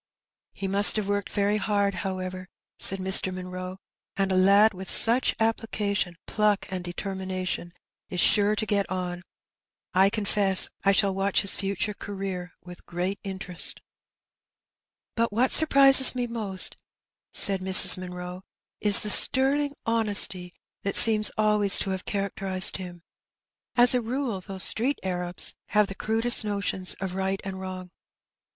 "He must have worked very hard, however," said Mr. Munroe; "and a lad with such application, pluck, and determination is sure to get on. I confess I shall watch his future career with great interest." 262 Her Benny. €€ But what sarprises me most/' said Mrs. Manroe^ ''is the sterling honesty that seems always to have character ized him. As a rale^ those street Arabs have the cmdest notions of right and wrong."